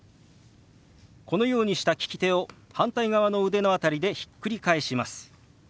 このようにした利き手を反対側の腕の辺りでひっくり返します。